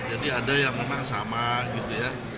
jadi ada yang memang sama gitu ya